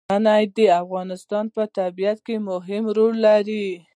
منی د افغانستان په طبیعت کې مهم رول لري.